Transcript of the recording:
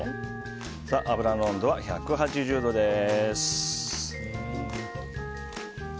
油の温度は１８０度です。